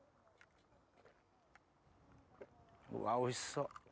うわおいしそう。